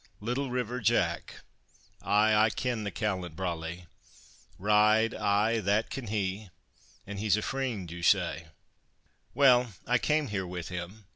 "'Little River Jack,' ay, I ken the callant brawly. Ride, aye, that can he, and he's a freend, ye say?" "Well, I came here with him.